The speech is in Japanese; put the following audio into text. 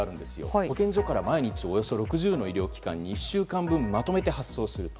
保健所から毎日６０の医療機関に１週間分まとめて発送する。